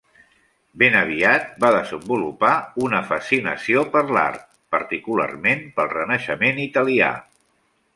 Ben aviat va desenvolupar una fascinació per l'art, particularment pel Renaixement italià.